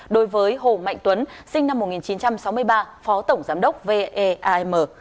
đối với hồ mạnh tuấn sinh năm một nghìn chín trăm sáu mươi ba phó tổng giám đốc veam